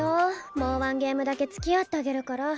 もう１ゲームだけ付き合ってあげるから。